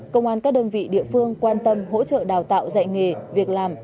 công an các đơn vị địa phương quan tâm hỗ trợ đào tạo dạy nghề việc làm